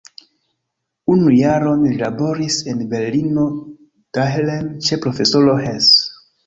Unu jaron li laboris en Berlino-Dahlem ĉe profesoro Hess.